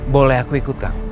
boleh aku ikut kang